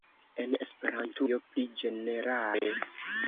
En Esperantujo pli ĝenerale?